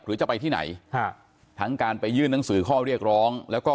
หรือจะไปที่ไหนฮะทั้งการไปยื่นหนังสือข้อเรียกร้องแล้วก็